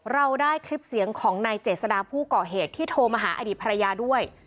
เราได้คลิปเสียงของนายเจษดาผู้ก่อเหตุที่โทรมาหาอดีตภรรยาด้วย